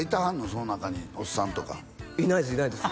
その中におっさんとかいないですいないです